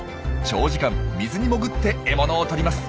長時間水に潜って獲物をとります。